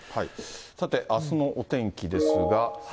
さて、あすのお天気ですが。